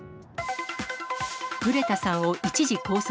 グレタさんを一時拘束。